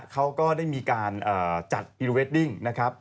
เขาก็ได้มีการจัดพรีเวดดิ้งนะครับ